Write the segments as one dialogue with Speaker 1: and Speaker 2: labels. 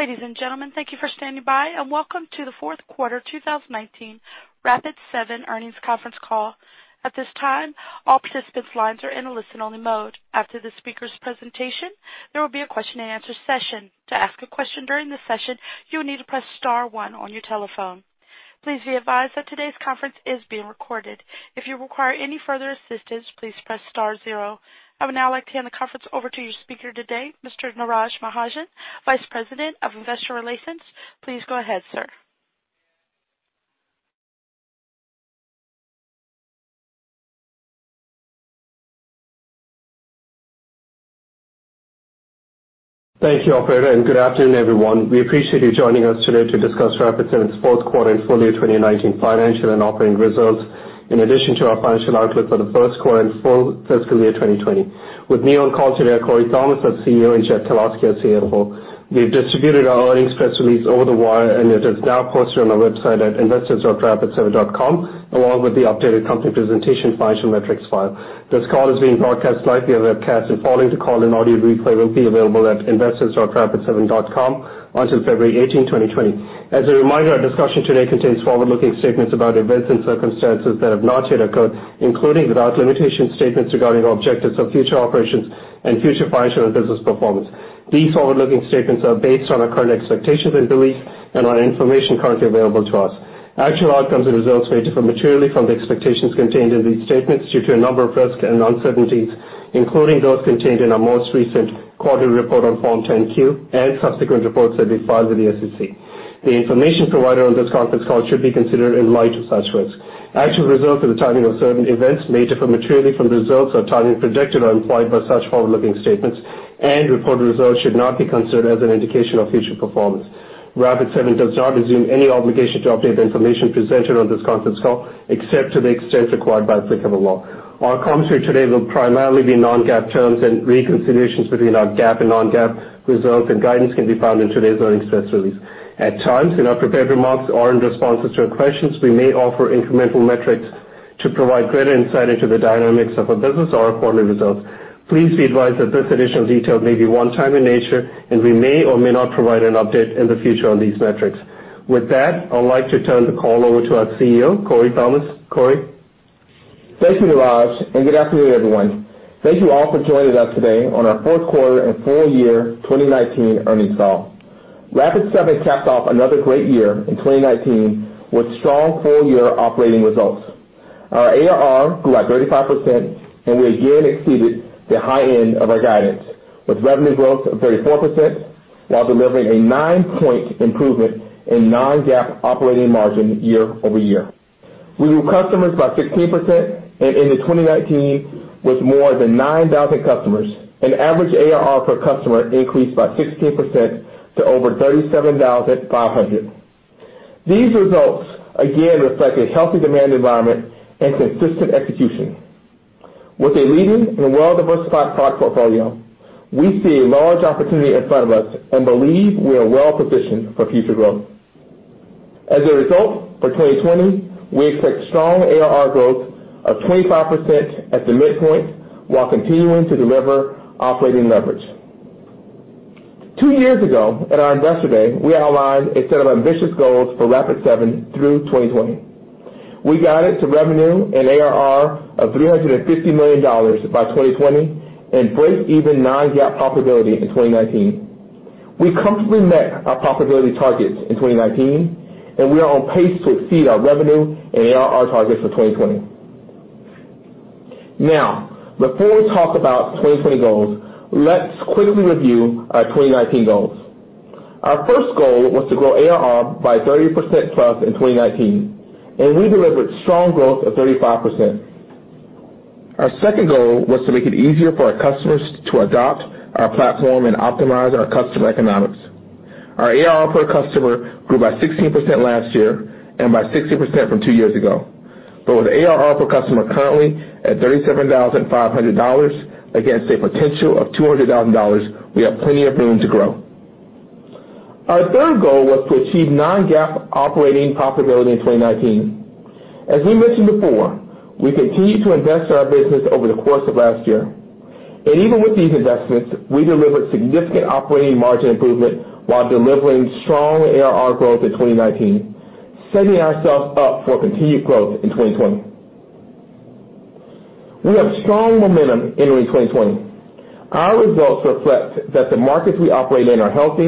Speaker 1: Ladies and gentlemen, thank you for standing by, and welcome to the fourth quarter 2019 Rapid7 earnings conference call. At this time, all participants' lines are in a listen-only mode. After the speakers' presentation, there will be a question and answer session. To ask a question during the session, you will need to press star one on your telephone. Please be advised that today's conference is being recorded. If you require any further assistance, please press star zero. I would now like to hand the conference over to your speaker today, Mr. Neeraj Mahajan, Vice President of Investor Relations. Please go ahead, sir.
Speaker 2: Thank you, operator. Good afternoon, everyone. We appreciate you joining us today to discuss Rapid7's fourth quarter and full year 2019 financial and operating results in addition to our financial outlook for the first quarter and full fiscal year 2020. With me on call today are Corey Thomas, our CEO, and Jeff Kalowski, our CFO. We've distributed our earnings press release over the wire. It is now posted on our website at investors.rapid7.com, along with the updated company presentation financial metrics file. This call is being broadcast live via webcast. Following the call, an audio replay will be available at investors.rapid7.com until February 18, 2020. As a reminder, our discussion today contains forward-looking statements about events and circumstances that have not yet occurred, including, without limitation, statements regarding objectives of future operations and future financial and business performance. These forward-looking statements are based on our current expectations and beliefs and on information currently available to us. Actual outcomes and results may differ materially from the expectations contained in these statements due to a number of risks and uncertainties, including those contained in our most recent quarterly report on Form 10-Q and subsequent reports that we file with the SEC. The information provided on this conference call should be considered in light of such risks. Actual results and the timing of certain events may differ materially from the results or timing projected or implied by such forward-looking statements, and reported results should not be considered as an indication of future performance. Rapid7 does not assume any obligation to update the information presented on this conference call, except to the extent required by applicable law. Our commentary today will primarily be non-GAAP terms, and reconciliations between our GAAP and non-GAAP results and guidance can be found in today's earnings press release. At times, in our prepared remarks or in responses to your questions, we may offer incremental metrics to provide greater insight into the dynamics of our business or our quarterly results. Please be advised that this additional detail may be one-time in nature, and we may or may not provide an update in the future on these metrics. With that, I'd like to turn the call over to our CEO, Corey Thomas. Corey?
Speaker 3: Thank you, Neeraj, good afternoon, everyone. Thank you all for joining us today on our fourth quarter and full year 2019 earnings call. Rapid7 capped off another great year in 2019 with strong full-year operating results. Our ARR grew at 35%, and we again exceeded the high end of our guidance, with revenue growth of 34%, while delivering a nine-point improvement in non-GAAP operating margin YoY. We grew customers by 16% and ended 2019 with more than 9,000 customers, and average ARR per customer increased by 16% to over 37,500. These results again reflect a healthy demand environment and consistent execution. With a leading and well-diversified product portfolio, we see a large opportunity in front of us and believe we are well-positioned for future growth. As a result, for 2020, we expect strong ARR growth of 25% at the midpoint while continuing to deliver operating leverage. Two years ago at our Investor Day, we outlined a set of ambitious goals for Rapid7 through 2020. We guided to revenue and ARR of $350 million by 2020 and break-even non-GAAP profitability in 2019. We comfortably met our profitability targets in 2019, we are on pace to exceed our revenue and ARR targets for 2020. Before we talk about 2020 goals, let's quickly review our 2019 goals. Our first goal was to grow ARR by 30%+ in 2019, we delivered strong growth of 35%. Our second goal was to make it easier for our customers to adopt our platform and optimize our customer economics. Our ARR per customer grew by 16% last year and by 60% from two years ago. With ARR per customer currently at $37,500 against a potential of $200,000, we have plenty of room to grow. Our third goal was to achieve non-GAAP operating profitability in 2019. As we mentioned before, we continued to invest in our business over the course of last year. Even with these investments, we delivered significant operating margin improvement while delivering strong ARR growth in 2019, setting ourselves up for continued growth in 2020. We have strong momentum entering 2020. Our results reflect that the markets we operate in are healthy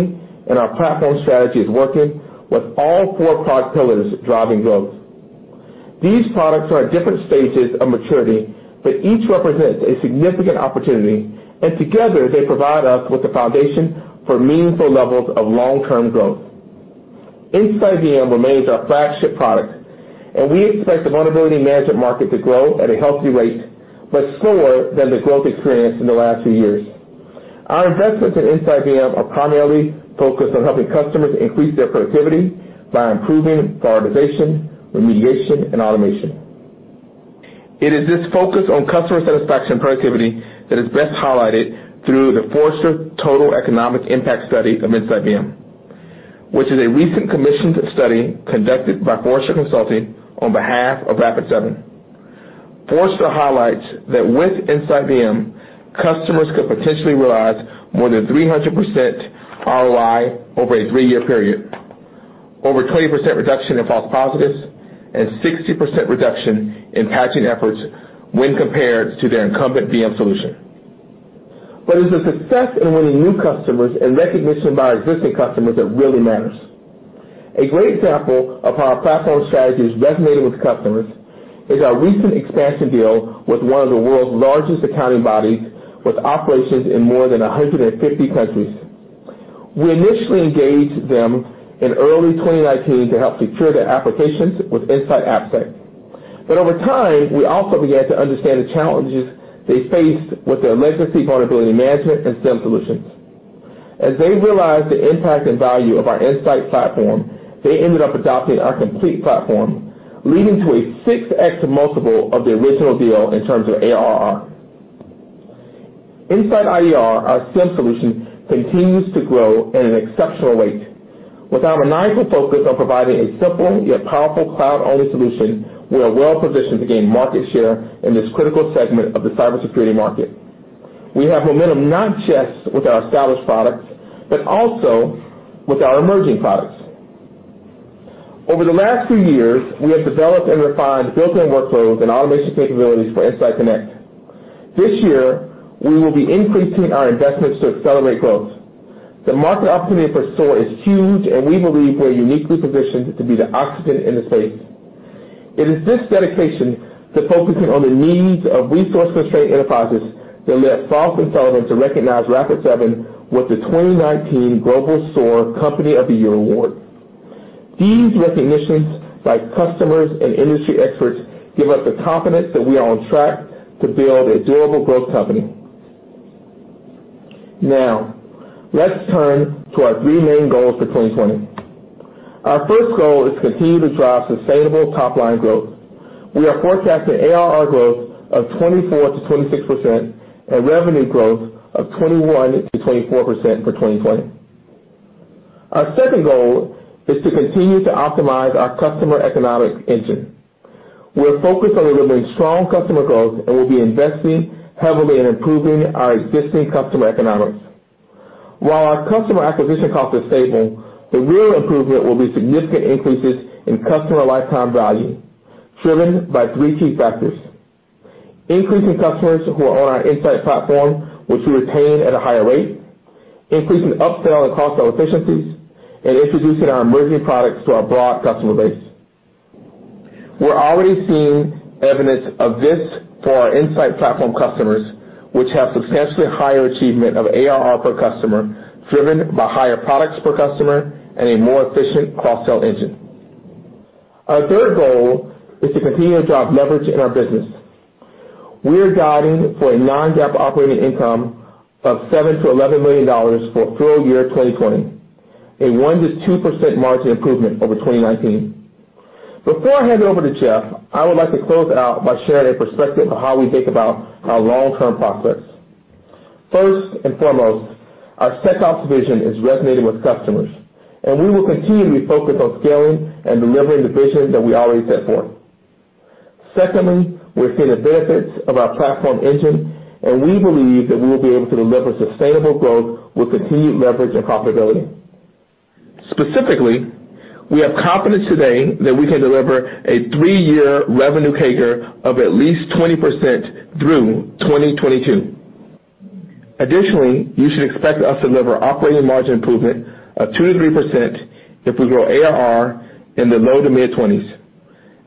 Speaker 3: and our platform strategy is working with all four product pillars driving growth. These products are at different stages of maturity, but each represents a significant opportunity, and together they provide us with the foundation for meaningful levels of long-term growth. InsightVM remains our flagship product, and we expect the vulnerability management market to grow at a healthy rate, but slower than the growth experienced in the last few years. Our investments in InsightVM are primarily focused on helping customers increase their productivity by improving prioritization, remediation, and automation. It is this focus on customer satisfaction and productivity that is best highlighted through the Forrester Total Economic Impact study of InsightVM, which is a recent commissioned study conducted by Forrester Consulting on behalf of Rapid7. Forrester highlights that with InsightVM, customers could potentially realize more than 300% ROI over a three-year period, over 20% reduction in false positives, and 60% reduction in patching efforts when compared to their incumbent VM solution. It's the success in winning new customers and recognition by our existing customers that really matters. A great example of how our platform strategy is resonating with customers is our recent expansion deal with one of the world's largest accounting bodies, with operations in more than 150 countries. We initially engaged them in early 2019 to help secure their applications with InsightAppSec. Over time, we also began to understand the challenges they faced with their legacy vulnerability management and SIEM solutions. As they realized the impact and value of our Insight platform, they ended up adopting our complete platform, leading to a 6x multiple of the original deal in terms of ARR. InsightIDR, our SIEM solution, continues to grow at an exceptional rate. With our analytical focus on providing a simple yet powerful cloud-only solution, we are well-positioned to gain market share in this critical segment of the cybersecurity market. We have momentum not just with our established products, but also with our emerging products. Over the last few years, we have developed and refined built-in workflows and automation capabilities for InsightConnect. This year, we will be increasing our investments to accelerate growth. The market opportunity for SOAR is huge, and we believe we're uniquely positioned to be the oxygen in the space. It is this dedication to focusing on the needs of resource-constrained enterprises that led Frost & Sullivan to recognize Rapid7 with the 2019 Global SOAR Company of the Year award. These recognitions by customers and industry experts give us the confidence that we are on track to build a durable growth company. Now, let's turn to our three main goals for 2020. Our first goal is to continue to drive sustainable top-line growth. We are forecasting ARR growth of 24%-26% and revenue growth of 21%-24% for 2020. Our second goal is to continue to optimize our customer economic engine. We're focused on delivering strong customer growth, and we'll be investing heavily in improving our existing customer economics. While our customer acquisition cost is stable, the real improvement will be significant increases in customer lifetime value, driven by three key factors, increasing customers who are on our Insight platform, which we retain at a higher rate, increasing upsell and cross-sell efficiencies, and introducing our emerging products to our broad customer base. We're already seeing evidence of this for our Insight platform customers, which have substantially higher achievement of ARR per customer, driven by higher products per customer and a more efficient cross-sell engine. Our third goal is to continue to drive leverage in our business. We are guiding for a non-GAAP operating income of $7 million-$11 million for full year 2020, a 1%-2% margin improvement over 2019. Before I hand it over to Jeff, I would like to close out by sharing a perspective of how we think about our long-term process. First and foremost, our set-top vision is resonating with customers, and we will continually focus on scaling and delivering the vision that we already set forth. Secondly, we're seeing the benefits of our platform engine, and we believe that we will be able to deliver sustainable growth with continued leverage and profitability. Specifically, we have confidence today that we can deliver a three-year revenue CAGR of at least 20% through 2022. Additionally, you should expect us to deliver operating margin improvement of 2%-3% if we grow ARR in the low to mid-20s.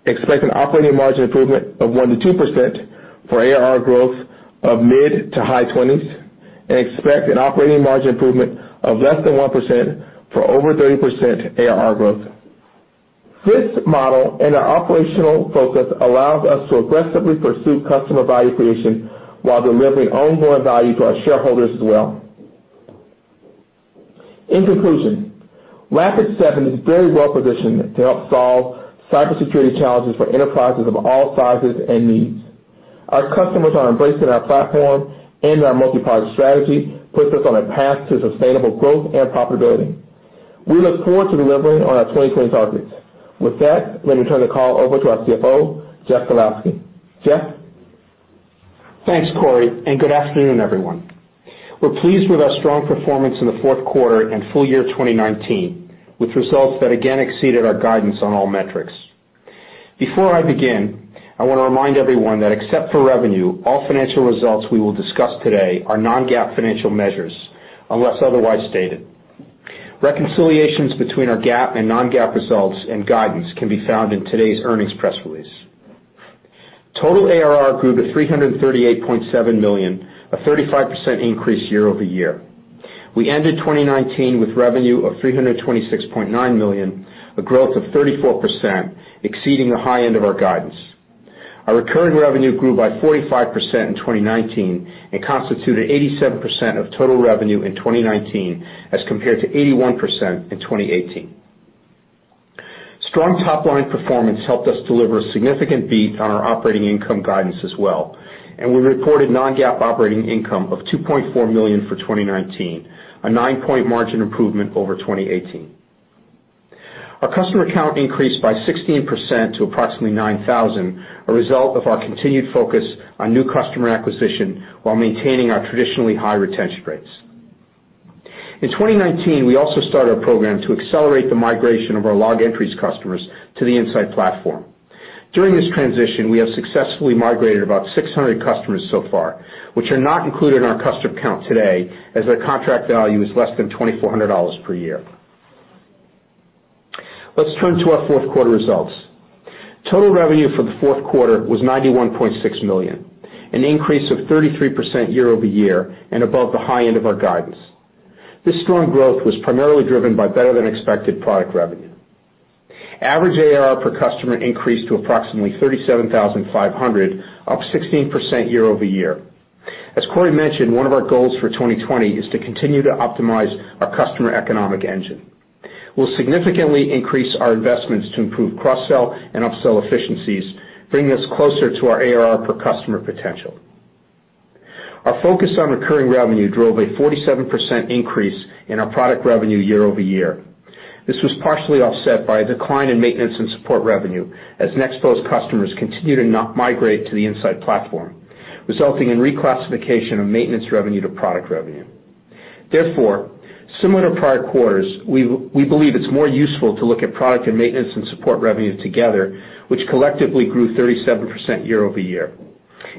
Speaker 3: Expect an operating margin improvement of 1%-2% for ARR growth of mid to high 20s, and expect an operating margin improvement of less than 1% for over 30% ARR growth. This model and our operational focus allows us to aggressively pursue customer value creation while delivering ongoing value to our shareholders as well. In conclusion, Rapid7 is very well-positioned to help solve cybersecurity challenges for enterprises of all sizes and needs. Our customers are embracing our platform, and our multi-product strategy puts us on a path to sustainable growth and profitability. We look forward to delivering on our 2020 targets. With that, let me turn the call over to our CFO, Jeff Kalowski. Jeff?
Speaker 4: Thanks, Corey, and good afternoon, everyone. We're pleased with our strong performance in the 4th quarter and full year 2019, with results that again exceeded our guidance on all metrics. Before I begin, I want to remind everyone that except for revenue, all financial results we will discuss today are non-GAAP financial measures, unless otherwise stated. Reconciliations between our GAAP and non-GAAP results and guidance can be found in today's earnings press release. Total ARR grew to $338.7 million, a 35% increase YoY. We ended 2019 with revenue of $326.9 million, a growth of 34%, exceeding the high end of our guidance. Our recurring revenue grew by 45% in 2019 and constituted 87% of total revenue in 2019 as compared to 81% in 2018. Strong top-line performance helped us deliver a significant beat on our operating income guidance as well, and we reported non-GAAP operating income of $2.4 million for 2019, a nine-point margin improvement over 2018. Our customer count increased by 16% to approximately 9,000, a result of our continued focus on new customer acquisition while maintaining our traditionally high retention rates. In 2019, we also started a program to accelerate the migration of our Logentries customers to the Insight platform. During this transition, we have successfully migrated about 600 customers so far, which are not included in our customer count today, as their contract value is less than $2,400 per year. Let's turn to our fourth quarter results. Total revenue for the fourth quarter was $91.6 million, an increase of 33% YoY and above the high end of our guidance. This strong growth was primarily driven by better than expected product revenue. Average ARR per customer increased to approximately $37,500, up 16% YoY. As Corey mentioned, one of our goals for 2020 is to continue to optimize our customer economic engine. We'll significantly increase our investments to improve cross-sell and upsell efficiencies, bringing us closer to our ARR per customer potential. Our focus on recurring revenue drove a 47% increase in our product revenueYoY. This was partially offset by a decline in maintenance and support revenue as Nexpose customers continue to not migrate to the Insight platform, resulting in reclassification of maintenance revenue to product revenue. Similar prior quarters, we believe it's more useful to look at product and maintenance and support revenue together, which collectively grew 37% YoY.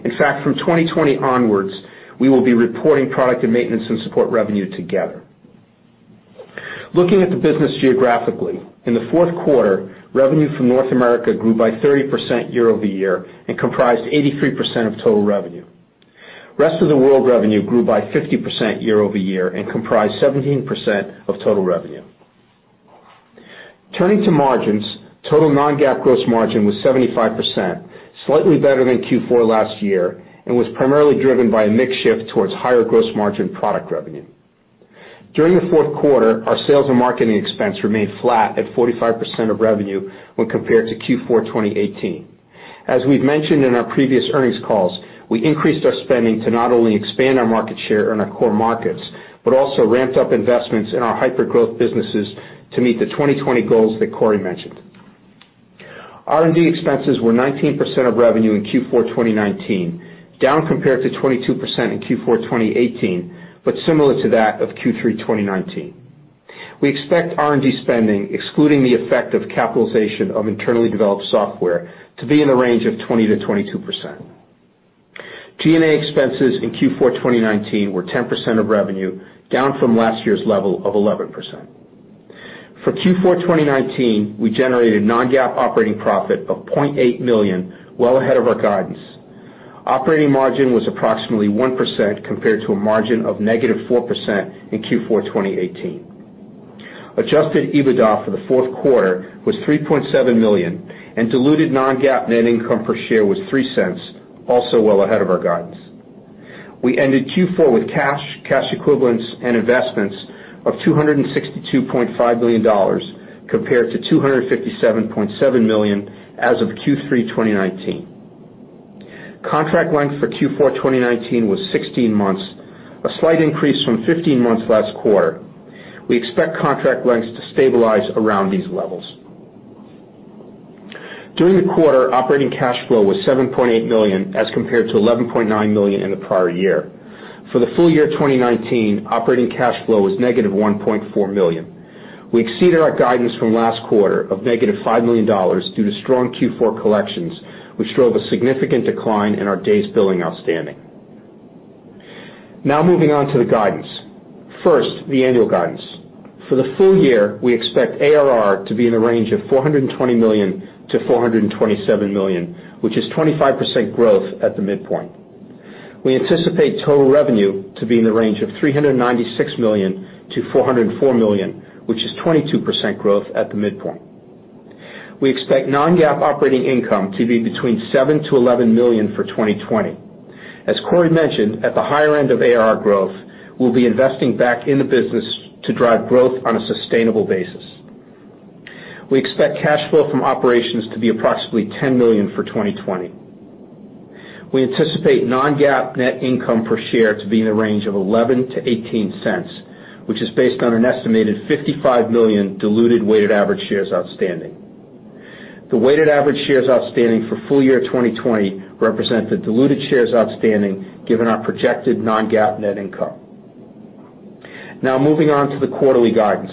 Speaker 4: In fact, from 2020 onwards, we will be reporting product and maintenance and support revenue together. Looking at the business geographically, in the fourth quarter, revenue from North America grew by 30% YoY and comprised 83% of total revenue. Rest of the world revenue grew by 50% YoY and comprised 17% of total revenue. Turning to margins, total non-GAAP gross margin was 75%, slightly better than Q4 last year and was primarily driven by a mix shift towards higher gross margin product revenue. During the fourth quarter, our sales and marketing expense remained flat at 45% of revenue when compared to Q4 2018. As we've mentioned in our previous earnings calls, we increased our spending to not only expand our market share in our core markets, but also ramped up investments in our hyper growth businesses to meet the 2020 goals that Corey mentioned. R&D expenses were 19% of revenue in Q4 2019, down compared to 22% in Q4 2018, but similar to that of Q3 2019. We expect R&D spending, excluding the effect of capitalization of internally developed software, to be in the range of 20%-22%. G&A expenses in Q4 2019 were 10% of revenue, down from last year's level of 11%. For Q4 2019, we generated non-GAAP operating profit of $0.8 million, well ahead of our guidance. Operating margin was approximately 1% compared to a margin of -4% in Q4 2018. Adjusted EBITDA for the fourth quarter was $3.7 million and diluted non-GAAP net income per share was $0.03, also well ahead of our guidance. We ended Q4 with cash equivalents and investments of $262.5 million, compared to $257.7 million as of Q3 2019. Contract length for Q4 2019 was 16 months, a slight increase from 15 months last quarter. We expect contract lengths to stabilize around these levels. During the quarter, operating cash flow was $7.8 million as compared to $11.9 million in the prior year. For the full year 2019, operating cash flow was negative $1.4 million. We exceeded our guidance from last quarter of negative $5 million due to strong Q4 collections, which drove a significant decline in our days billing outstanding. Now moving on to the guidance. First, the annual guidance. For the full year, we expect ARR to be in the range of $420 million-$427 million, which is 25% growth at the midpoint. We anticipate total revenue to be in the range of $396 million-$404 million, which is 22% growth at the midpoint. We expect non-GAAP operating income to be between $7 million-$11 million for 2020. As Corey mentioned, at the higher end of ARR growth, we'll be investing back in the business to drive growth on a sustainable basis. We expect cash flow from operations to be approximately $10 million for 2020. We anticipate non-GAAP net income per share to be in the range of $0.11-$0.18, which is based on an estimated 55 million diluted weighted average shares outstanding. The weighted average shares outstanding for full year 2020 represent the diluted shares outstanding given our projected non-GAAP net income. Now moving on to the quarterly guidance.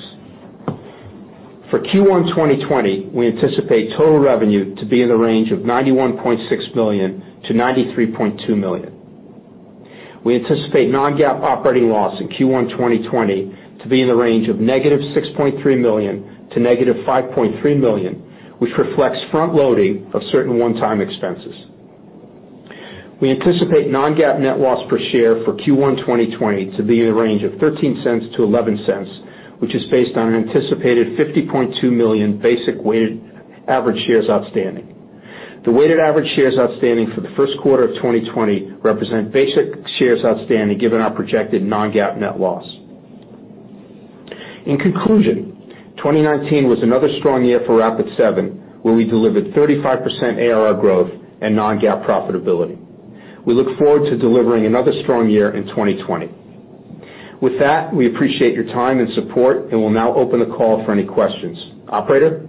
Speaker 4: For Q1 2020, we anticipate total revenue to be in the range of $91.6 million-$93.2 million. We anticipate non-GAAP operating loss in Q1 2020 to be in the range of -$6.3 million to -$5.3 million, which reflects front loading of certain one-time expenses. We anticipate non-GAAP net loss per share for Q1 2020 to be in the range of $0.13-$0.11, which is based on an anticipated 50.2 million basic weighted average shares outstanding. The weighted average shares outstanding for the first quarter of 2020 represent basic shares outstanding given our projected non-GAAP net loss. In conclusion, 2019 was another strong year for Rapid7, where we delivered 35% ARR growth and non-GAAP profitability. We look forward to delivering another strong year in 2020. With that, we appreciate your time and support, and we'll now open the call for any questions. Operator?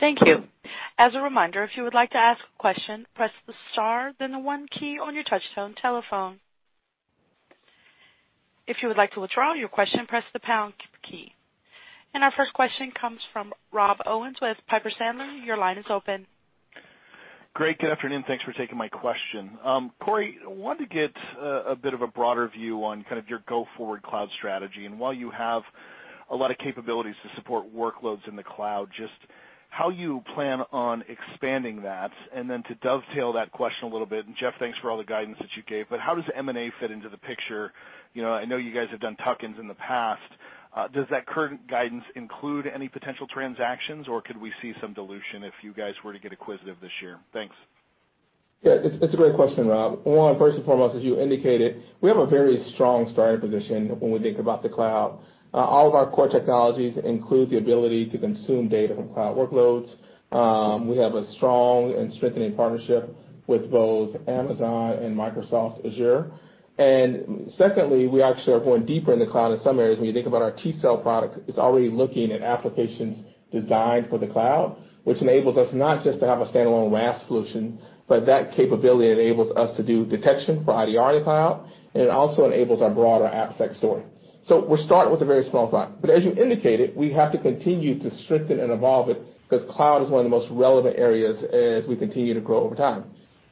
Speaker 1: Thank you. As a reminder, if you would like to ask a question, press the star, then the one key on your touchtone telephone. If you would like to withdraw your question, press the pound key. Our first question comes from Rob Owens with Piper Sandler. Your line is open.
Speaker 5: Gregg, good afternoon. Thanks for taking my question. Corey, I wanted to get a bit of a broader view on your go-forward cloud strategy, and while you have a lot of capabilities to support workloads in the cloud, just how you plan on expanding that. Then to dovetail that question a little bit, and Jeff, thanks for all the guidance that you gave, but how does M&A fit into the picture? I know you guys have done tuck-ins in the past. Does that current guidance include any potential transactions, or could we see some dilution if you guys were to get acquisitive this year? Thanks.
Speaker 3: It's a great question, Rob. First and foremost, as you indicated, we have a very strong starting position when we think about the cloud. All of our core technologies include the ability to consume data from cloud workloads. We have a strong and strengthening partnership with both Amazon and Microsoft Azure. Secondly, we actually are going deeper in the cloud in some areas. When you think about our tCell product, it's already looking at applications designed for the cloud, which enables us not just to have a standalone WAS solution, but that capability enables us to do detection for IDR in the cloud, and it also enables our broader AppSec story. We're starting with a very small cloud. As you indicated, we have to continue to strengthen and evolve it, because cloud is one of the most relevant areas as we continue to grow over time.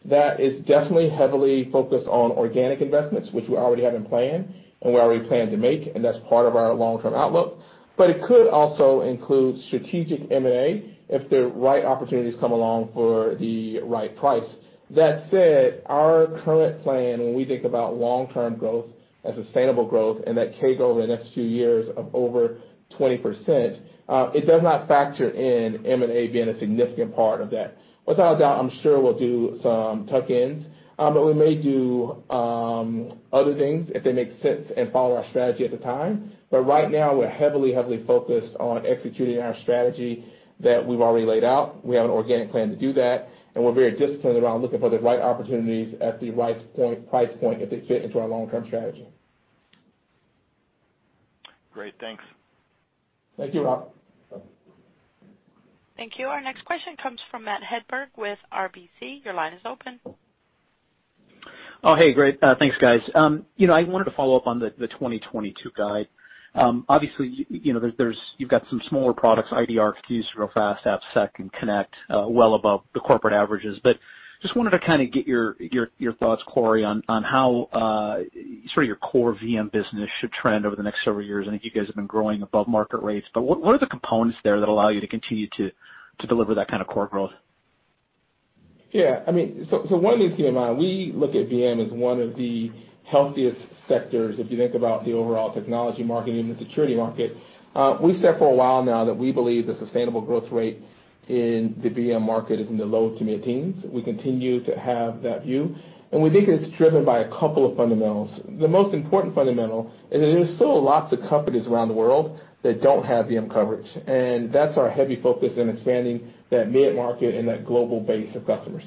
Speaker 3: That is definitely heavily focused on organic investments, which we already have in plan and we already plan to make, and that's part of our long-term outlook. It could also include strategic M&A if the right opportunities come along for the right price. That said, our current plan, when we think about long-term growth and sustainable growth and that cake over the next few years of over 20%, it does not factor in M&A being a significant part of that. Without a doubt, I'm sure we'll do some tuck-ins, but we may do other things if they make sense and follow our strategy at the time. Right now, we're heavily focused on executing our strategy that we've already laid out. We have an organic plan to do that. We're very disciplined around looking for the right opportunities at the right price point if they fit into our long-term strategy.
Speaker 5: Great. Thanks.
Speaker 3: Thank you, Rob.
Speaker 1: Thank you. Our next question comes from Matt Hedberg with RBC. Your line is open.
Speaker 6: Oh, hey. Great. Thanks, guys. I wanted to follow up on the 2022 guide. You've got some smaller products, IDR, QSR SOAR, AppSec, and Connect, well above the corporate averages. Just wanted to kind of get your thoughts, Corey, on how sort of your core VM business should trend over the next several years. I think you guys have been growing above market rates, what are the components there that allow you to continue to deliver that kind of core growth?
Speaker 3: Yeah. One is TMI. We look at VM as one of the healthiest sectors, if you think about the overall technology market and even the security market. We said for a while now that we believe the sustainable growth rate in the VM market is in the low to mid-teens. We continue to have that view, and we think it's driven by a couple of fundamentals. The most important fundamental is that there's still lots of companies around the world that don't have VM coverage, and that's our heavy focus in expanding that mid-market and that global base of customers.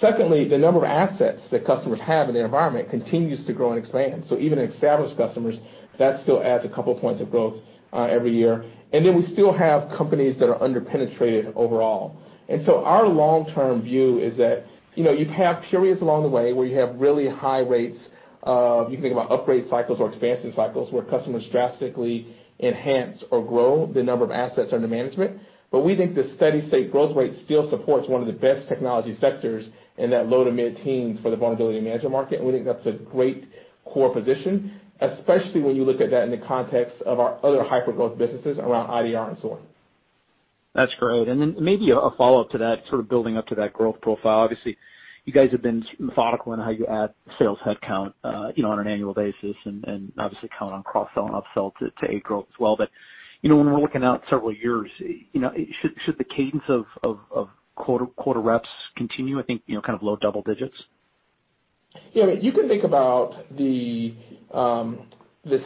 Speaker 3: Secondly, the number of assets that customers have in their environment continues to grow and expand. Even in established customers, that still adds a couple points of growth every year. We still have companies that are under-penetrated overall. Our long-term view is that you have periods along the way where you have really high rates of, if you think about upgrade cycles or expansion cycles, where customers drastically enhance or grow the number of assets under management. We think the steady state growth rate still supports one of the best technology sectors in that low to mid-teens for the Vulnerability Management market, and we think that's a great core position, especially when you look at that in the context of our other hypergrowth businesses around IDR and SOAR.
Speaker 6: That's great. Maybe a follow-up to that, sort of building up to that growth profile. Obviously, you guys have been methodical in how you add sales headcount on an annual basis and obviously count on cross-sell and upsell to aid growth as well. When we're looking out several years, should the cadence of quota reps continue, I think, kind of low double digits?
Speaker 3: Yeah. You can think about the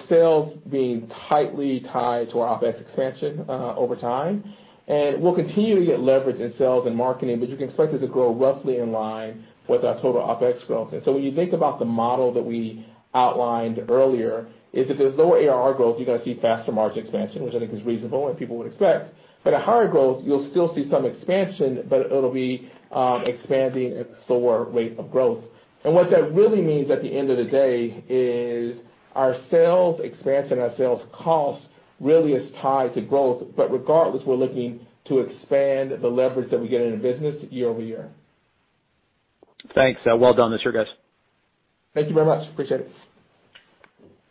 Speaker 3: sales being tightly tied to our OpEx expansion over time, and we'll continue to get leverage in sales and marketing, but you can expect it to grow roughly in line with our total OpEx growth. When you think about the model that we outlined earlier, is if there's lower ARR growth, you're going to see faster margin expansion, which I think is reasonable and people would expect. At higher growth, you'll still see some expansion, but it'll be expanding at a slower rate of growth. What that really means at the end of the day is our sales expansion and our sales cost really is tied to growth. Regardless, we're looking to expand the leverage that we get in the business YoY.
Speaker 6: Thanks. Well done this year, guys.
Speaker 3: Thank you very much. Appreciate it.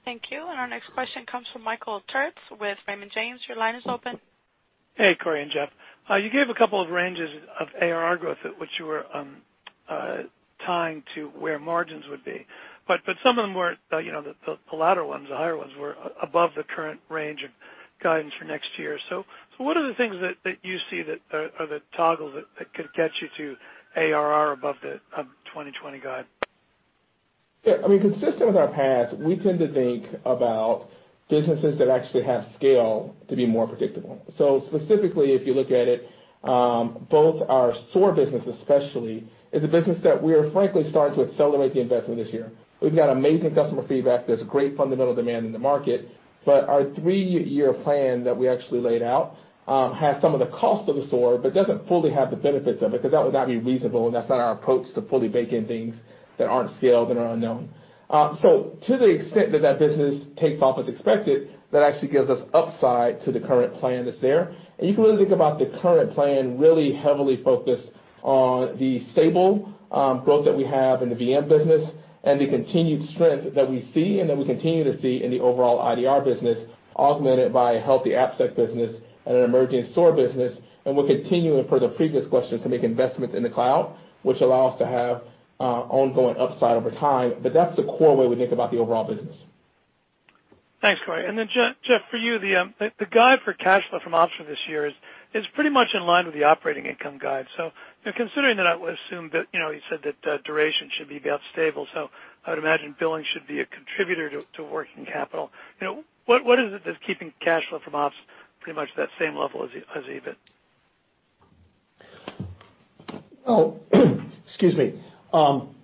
Speaker 1: Thank you. Our next question comes from Michael Turits with Raymond James. Your line is open.
Speaker 7: Hey, Corey and Jeff. You gave a couple of ranges of ARR growth at which you were tying to where margins would be. Some of them, the latter ones, the higher ones, were above the current range of guidance for next year. What are the things that you see that are the toggle that could get you to ARR above the 2020 guide?
Speaker 3: Yeah. Consistent with our past, we tend to think about businesses that actually have scale to be more predictable. Specifically, if you look at it, both our SOAR business especially, is a business that we are frankly starting to accelerate the investment this year. We've got amazing customer feedback, there's great fundamental demand in the market, our three-year plan that we actually laid out, has some of the cost of the SOAR but doesn't fully have the benefits of it, because that would not be reasonable and that's not our approach to fully bake in things that aren't scaled and are unknown. To the extent that that business takes off as expected, that actually gives us upside to the current plan that's there. You can really think about the current plan really heavily focused on the stable growth that we have in the VM business and the continued strength that we see and that we continue to see in the overall IDR business, augmented by a healthy AppSec business and an emerging SOAR business. We're continuing per the previous question, to make investments in the cloud, which allow us to have ongoing upside over time. That's the core way we think about the overall business.
Speaker 7: Thanks, Corey. Jeff, for you, the guide for cash flow from ops for this year is pretty much in line with the operating income guide. Considering that, I would assume that you said that duration should be about stable. I would imagine billing should be a contributor to working capital. What is it that's keeping cash flow from ops pretty much that same level as EBIT?
Speaker 4: Excuse me.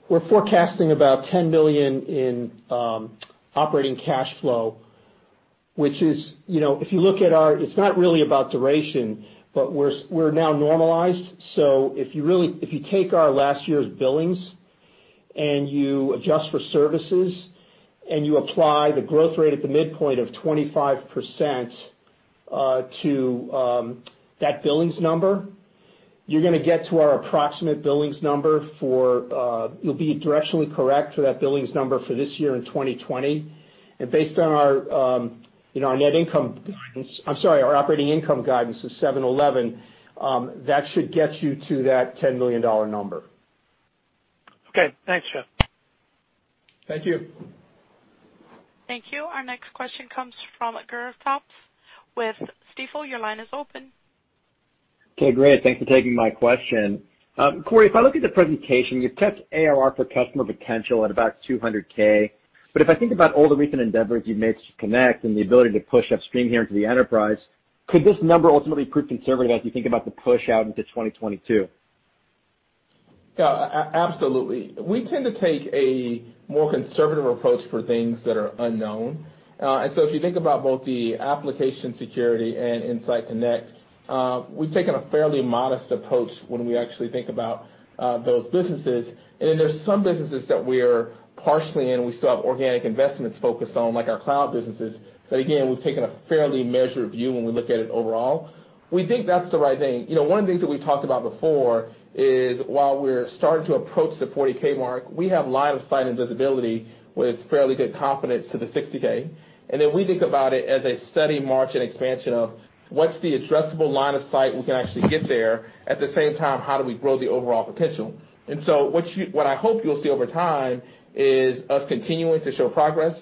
Speaker 4: We're forecasting about $10 million in operating cash flow, which is, if you look at our It's not really about duration, but we're now normalized. If you take our last year's billings and you adjust for services and you apply the growth rate at the midpoint of 25% to that billings number, you're going to get to our approximate billings number for, you'll be directionally correct for that billings number for this year and 2020. Based on our net income guidance, I'm sorry, our operating income guidance is 711, that should get you to that $10 million number.
Speaker 7: Okay, thanks, Jeff.
Speaker 4: Thank you.
Speaker 1: Thank you. Our next question comes from Gur Talpaz with Stifel. Your line is open.
Speaker 8: Okay, great. Thanks for taking my question. Corey, if I look at the presentation, you've touched ARR for customer potential at about 200K, but if I think about all the recent endeavors you've made to connect and the ability to push upstream here into the enterprise, could this number ultimately prove conservative as you think about the push out into 2022?
Speaker 3: Yeah, absolutely. We tend to take a more conservative approach for things that are unknown. If you think about both the application security and InsightConnect, we've taken a fairly modest approach when we actually think about those businesses. Then there's some businesses that we're partially in. We still have organic investments focused on, like our cloud businesses. Again, we've taken a fairly measured view when we look at it overall. We think that's the right thing. One of the things that we talked about before is while we're starting to approach the 40K mark, we have line of sight and visibility with fairly good confidence to the 60K. Then we think about it as a steady march and expansion of what's the addressable line of sight we can actually get there. At the same time, how do we grow the overall potential? What I hope you'll see over time is us continuing to show progress,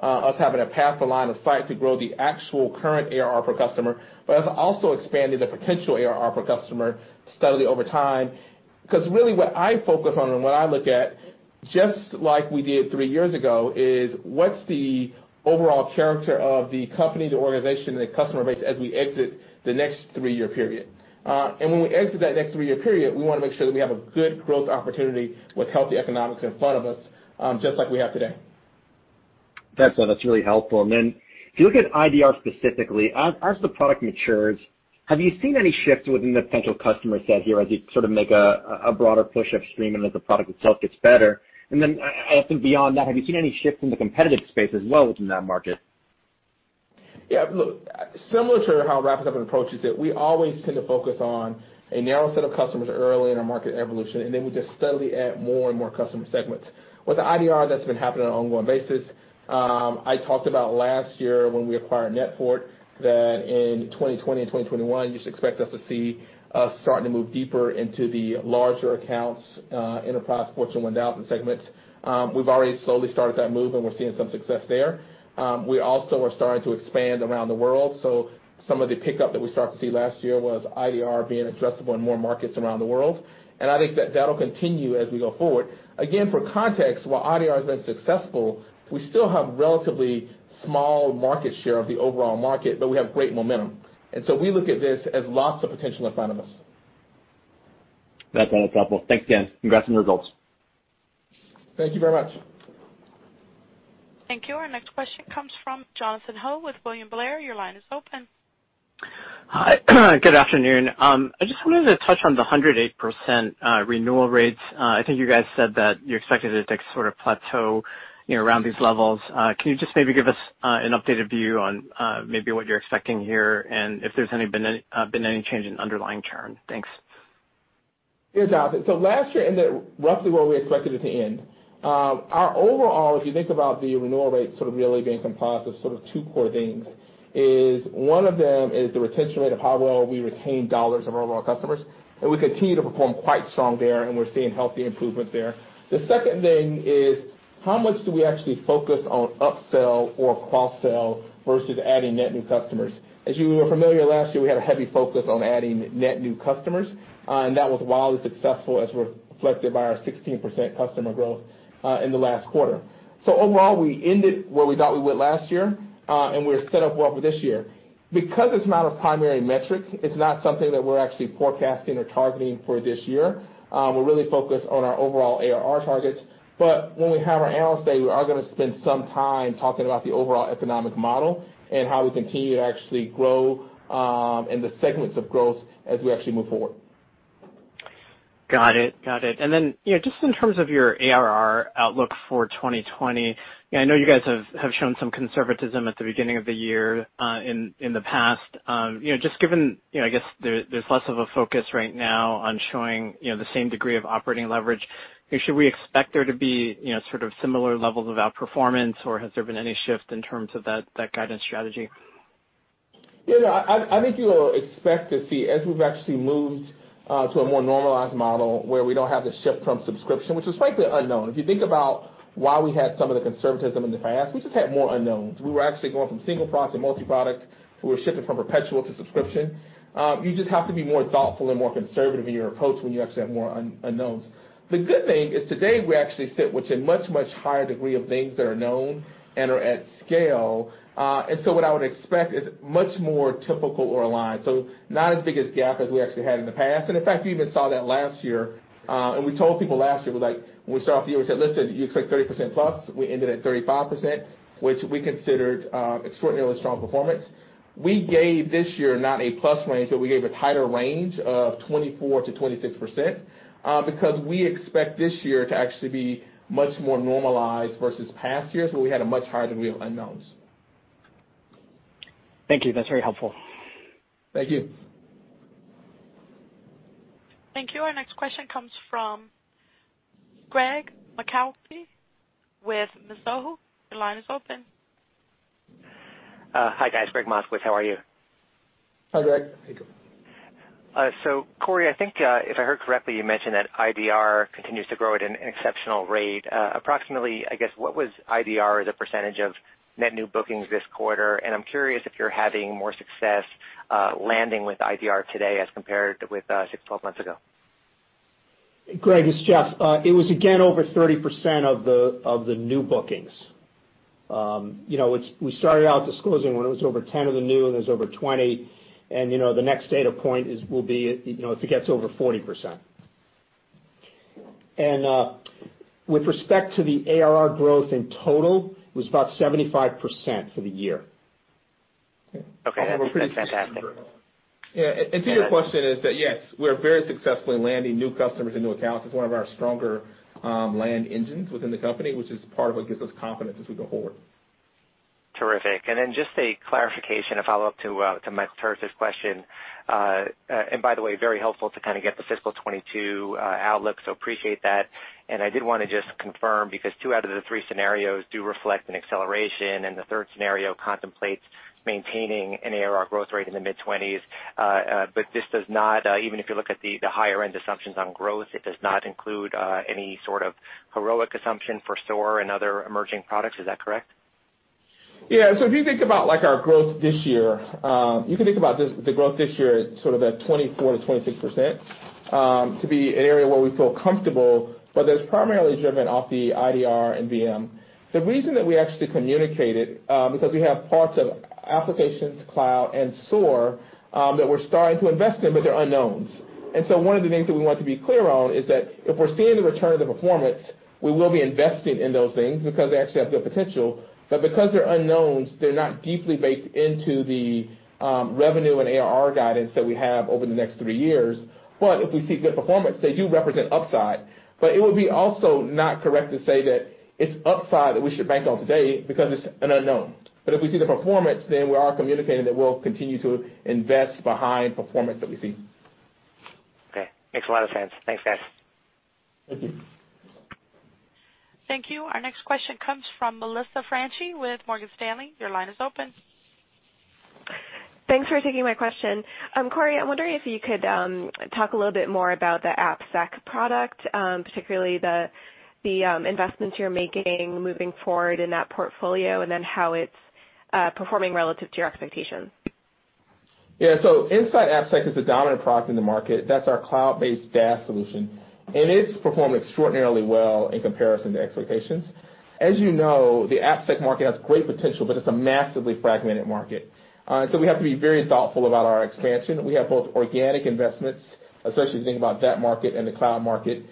Speaker 3: us having a path to line of sight to grow the actual current ARR per customer, but us also expanding the potential ARR per customer steadily over time. Really what I focus on and what I look at, just like we did three years ago, is what's the overall character of the company, the organization, and the customer base as we exit the next three-year period? When we exit that next three-year period, we want to make sure that we have a good growth opportunity with healthy economics in front of us, just like we have today.
Speaker 8: That's all. That's really helpful. If you look at IDR specifically, as the product matures, have you seen any shifts within the potential customer set here as you sort of make a broader push upstream and as the product itself gets better? I think beyond that, have you seen any shifts in the competitive space as well within that market?
Speaker 3: Yeah, look, similar to how Rapid7 approaches it, we always tend to focus on a narrow set of customers early in our market evolution, we just steadily add more and more customer segments. With IDR, that's been happening on an ongoing basis. I talked about last year when we acquired NetFort that in 2020 and 2021, you should expect to see us starting to move deeper into the larger accounts, enterprise Fortune 1000 segments. We've already slowly started that move, we're seeing some success there. We also are starting to expand around the world. Some of the pickup that we started to see last year was IDR being addressable in more markets around the world, I think that that'll continue as we go forward. For context, while IDR has been successful, we still have relatively small market share of the overall market, but we have great momentum, and so we look at this as lots of potential in front of us.
Speaker 8: That's all. That's helpful. Thanks again. Congrats on the results.
Speaker 3: Thank you very much.
Speaker 1: Thank you. Our next question comes from Jonathan Ho with William Blair. Your line is open.
Speaker 9: Hi. Good afternoon. I just wanted to touch on the 108% renewal rates. I think you guys said that you're expecting it to sort of plateau around these levels. Can you just maybe give us an updated view on maybe what you're expecting here and if there's been any change in underlying churn? Thanks.
Speaker 3: Jonathan. Last year ended roughly where we expected it to end. Our overall, if you think about the renewal rate really being comprised of two core things, one of them is the retention rate of how well we retain dollars of our overall customers. We continue to perform quite strong there and we're seeing healthy improvements there. The second thing is how much do we actually focus on upsell or cross-sell versus adding net new customers. As you were familiar, last year we had a heavy focus on adding net new customers. That was wildly successful as reflected by our 16% customer growth in the last quarter. Overall, we ended where we thought we would last year. We're set up well for this year. Because it's not a primary metric, it's not something that we're actually forecasting or targeting for this year. When we have our analyst day, we are going to spend some time talking about the overall economic model and how we continue to actually grow and the segments of growth as we actually move forward.
Speaker 9: Got it. Then, just in terms of your ARR outlook for 2020, I know you guys have shown some conservatism at the beginning of the year in the past. Just given, I guess, there's less of a focus right now on showing the same degree of operating leverage, should we expect there to be similar levels of outperformance, or has there been any shift in terms of that guidance strategy?
Speaker 3: I think you will expect to see as we've actually moved to a more normalized model where we don't have the shift from subscription, which was frankly unknown. If you think about why we had some of the conservatism in the past, we just had more unknowns. We were actually going from single product to multi-product. We were shifting from perpetual to subscription. You just have to be more thoughtful and more conservative in your approach when you actually have more unknowns. The good thing is today we actually sit with a much higher degree of things that are known and are at scale. What I would expect is much more typical or aligned, so not as big a gap as we actually had in the past. In fact, we even saw that last year, and we told people last year, we were like, when we started off the year, we said, "Listen, you expect 30%+", we ended at 35%, which we considered extraordinarily strong performance. We gave this year not a plus range, but we gave a tighter range of 24%-26%, because we expect this year to actually be much more normalized versus past years where we had a much higher degree of unknowns.
Speaker 9: Thank you. That's very helpful.
Speaker 3: Thank you.
Speaker 1: Thank you. Our next question comes from Gregg Moskowitz with Mizuho. Your line is open.
Speaker 10: Hi, guys. Gregg Moskowitz. How are you?
Speaker 3: Hi, Gregg.
Speaker 4: Hey, Gregg.
Speaker 10: Corey, I think if I heard correctly, you mentioned that IDR continues to grow at an exceptional rate. Approximately, I guess, what was IDR as a percentage of net new bookings this quarter? I'm curious if you're having more success landing with IDR today as compared with six to 12 months ago.
Speaker 4: Gregg, it's Jeff. It was again, over 30% of the new bookings. We started out disclosing when it was over 10 of the new, it was over 20, the next data point will be, if it gets over 40%. With respect to the ARR growth in total, it was about 75% for the year.
Speaker 10: Okay. That's fantastic.
Speaker 3: Yeah. To your question is that, yes, we're very successful in landing new customers and new accounts. It's one of our stronger land engines within the company, which is part of what gives us confidence as we go forward.
Speaker 10: Terrific. Just a clarification, a follow-up to Mike Turits' question. By the way, very helpful to kind of get the fiscal 2022 outlook, so appreciate that. I did want to just confirm, because two out of the three scenarios do reflect an acceleration, and the third scenario contemplates maintaining an ARR growth rate in the mid-20s. This does not, even if you look at the higher-end assumptions on growth, it does not include any sort of heroic assumption for SOAR and other emerging products. Is that correct?
Speaker 3: Yeah. If you think about our growth this year, you can think about the growth this year at sort of that 24%-26%, to be an area where we feel comfortable, but that is primarily driven off the IDR and VM. The reason that we actually communicate it, because we have parts of Applications, Cloud, and SOAR that we are starting to invest in, but they are unknowns. One of the things that we want to be clear on is that if we are seeing the return of the performance, we will be investing in those things because they actually have good potential. Because they are unknowns, they are not deeply baked into the revenue and ARR guidance that we have over the next three years. If we see good performance, they do represent upside. It would be also not correct to say that it's upside that we should bank on today because it's an unknown. If we see the performance, then we are communicating that we'll continue to invest behind performance that we see.
Speaker 10: Okay. Makes a lot of sense. Thanks, guys.
Speaker 3: Thank you.
Speaker 1: Thank you. Our next question comes from Melissa Franchi with Morgan Stanley. Your line is open.
Speaker 11: Thanks for taking my question. Corey, I'm wondering if you could talk a little bit more about the AppSec product, particularly the investments you're making moving forward in that portfolio, how it's performing relative to your expectations.
Speaker 3: Yeah. InsightAppSec is the dominant product in the market. That's our cloud-based SaaS solution. It's performed extraordinarily well in comparison to expectations. As you know, the AppSec market has great potential, but it's a massively fragmented market. We have to be very thoughtful about our expansion. We have both organic investments, especially as you think about that market and the cloud market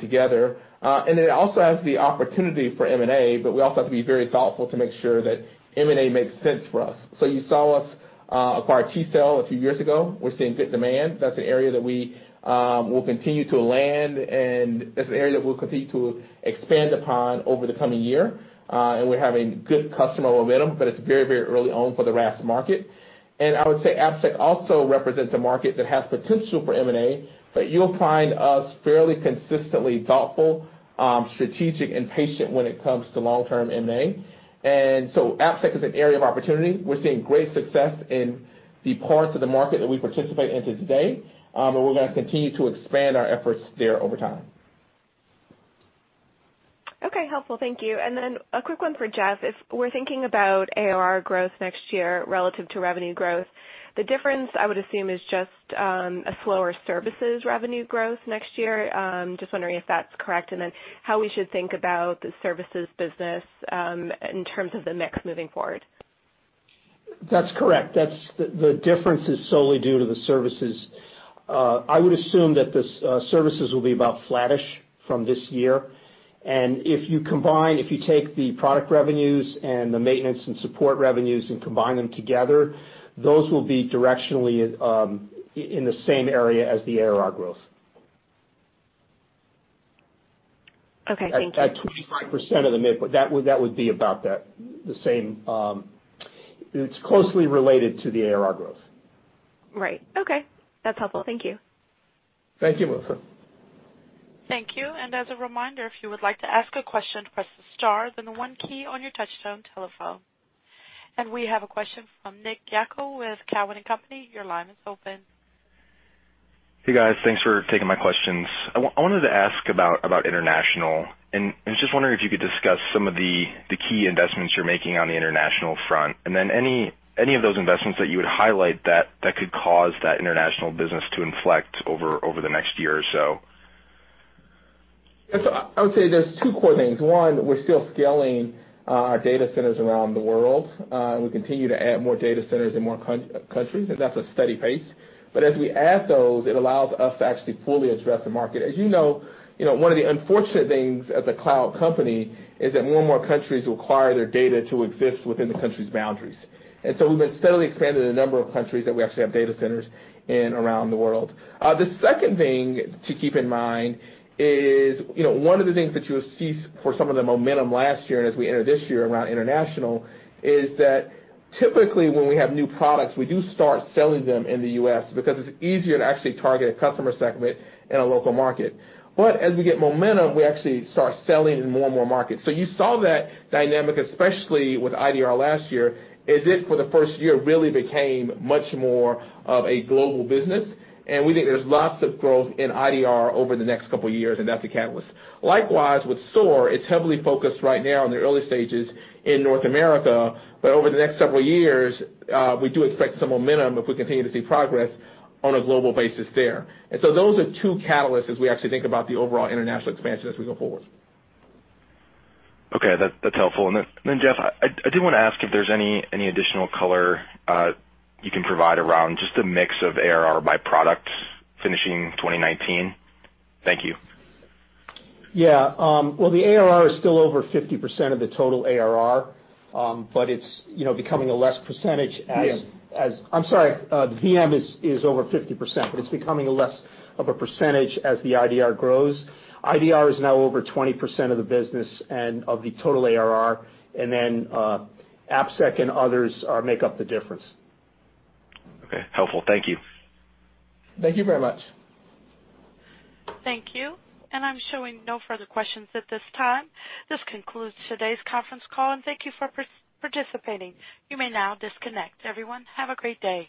Speaker 3: together. It also has the opportunity for M&A, but we also have to be very thoughtful to make sure that M&A makes sense for us. You saw us acquire tCell a few years ago. We're seeing good demand. That's an area that we will continue to land, and that's an area that we'll continue to expand upon over the coming year. We're having good customer momentum, but it's very early on for the RASP market. I would say AppSec also represents a market that has potential for M&A, but you'll find us fairly consistently thoughtful, strategic, and patient when it comes to long-term M&A. AppSec is an area of opportunity. We're seeing great success in the parts of the market that we participate into today, and we're going to continue to expand our efforts there over time.
Speaker 11: Okay. Helpful. Thank you. A quick one for Jeff. If we're thinking about ARR growth next year relative to revenue growth, the difference I would assume is just a slower services revenue growth next year? Just wondering if that's correct, and then how we should think about the services business in terms of the mix moving forward.
Speaker 4: That's correct. The difference is solely due to the services. I would assume that the services will be about flattish from this year. If you take the product revenues and the maintenance and support revenues and combine them together, those will be directionally in the same area as the ARR growth.
Speaker 11: Okay, thank you.
Speaker 4: At 25% of the mid, that would be about the same. It's closely related to the ARR growth.
Speaker 11: Right. Okay. That's helpful. Thank you.
Speaker 4: Thank you, Melissa.
Speaker 1: Thank you. As a reminder, if you would like to ask a question, press the star, then the one key on your touch-tone telephone. We have a question from Nick Yako with Cowen & Co. Your line is open.
Speaker 12: Hey, guys. Thanks for taking my questions. I wanted to ask about international, and I was just wondering if you could discuss some of the key investments you're making on the international front, and then any of those investments that you would highlight that could cause that international business to inflect over the next year or so.
Speaker 3: I would say there's two core things. One, we're still scaling our data centers around the world, and we continue to add more data centers in more countries, and that's a steady pace. As we add those, it allows us to actually fully address the market. As you know, one of the unfortunate things as a cloud company is that more and more countries require their data to exist within the country's boundaries. We've been steadily expanding the number of countries that we actually have data centers in around the world. The second thing to keep in mind is one of the things that you'll see for some of the momentum last year and as we enter this year around international is that typically when we have new products, we do start selling them in the U.S. because it's easier to actually target a customer segment in a local market. But as we get momentum, we actually start selling in more and more markets. So you saw that dynamic, especially with IDR last year, as it, for the first year, really became much more of a global business, and we think there's lots of growth in IDR over the next couple of years, and that's a catalyst. Likewise, with SOAR, it's heavily focused right now on the early stages in North America, but over the next several years, we do expect some momentum if we continue to see progress on a global basis there. Those are two catalysts as we actually think about the overall international expansion as we go forward.
Speaker 12: Okay. That's helpful. Jeff, I did want to ask if there's any additional color you can provide around just a mix of ARR by products finishing 2019. Thank you.
Speaker 4: Yeah. Well, the ARR is still over 50% of the total ARR, but it's becoming a less percentage.
Speaker 12: VM.
Speaker 4: I'm sorry. VM is over 50%. It's becoming less of a percentage as the IDR grows. IDR is now over 20% of the business and of the total ARR. AppSec and others make up the difference.
Speaker 12: Okay. Helpful. Thank you.
Speaker 3: Thank you very much.
Speaker 1: Thank you. I'm showing no further questions at this time. This concludes today's conference call, and thank you for participating. You may now disconnect. Everyone, have a great day.